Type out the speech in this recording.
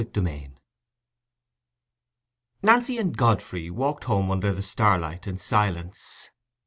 CHAPTER XX. Nancy and Godfrey walked home under the starlight in silence.